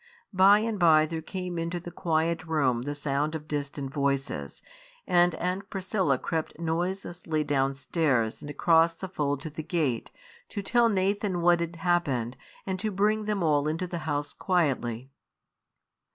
By and by there came into the quiet room the sound of distant voices, and Aunt Priscilla crept noiselessly downstairs and across the fold to the gate, to tell Nathan what had happened and to bring them all into the house quietly.